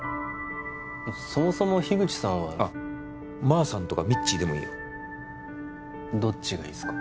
そもそも樋口さんはあっマーさんとかミッチーでもいいよどっちがいいすか？